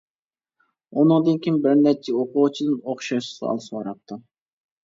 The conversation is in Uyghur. ئۇنىڭدىن كېيىن بىر نەچچە ئوقۇغۇچىدىن ئوخشاش سوئال سوراپتۇ.